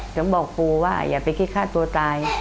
จะบอกครูว่าอย่าไปคิดฆ่าตัวตาย